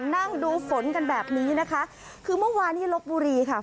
นั่งดูฝนกันแบบนี้นะคะคือเมื่อวานที่ลบบุรีค่ะ